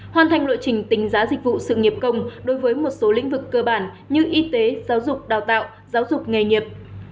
hoàn thành lộ trình tính giá dịch vụ sự nghiệp công đối với một số lĩnh vực cơ bản như y tế giáo dục đào tạo giáo dục nghề nghiệp